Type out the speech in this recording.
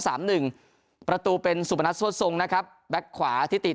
หนึ่งประตูเป็นสุพนัทโซ่ทรงนะครับแบ็คขวาที่ตี